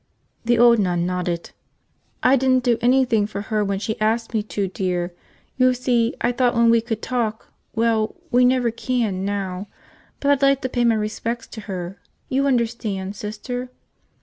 The old nun nodded. "I didn't do anything for her when she asked me to, dear. You see, I thought, when we could talk – well, we never can, now. But I'd like to pay my respects to her. You understand, Sister?"